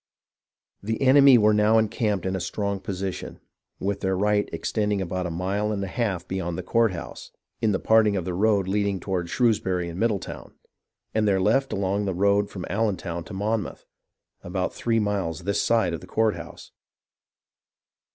The enemy were now encamped in a strong position, with their right extending about a mile and a half beyond the courthouse, in the parting of the road leading to Shrewsbury and Middletown, and their left along the road from AUentown to Monmouth, about three miles this side of the courthouse.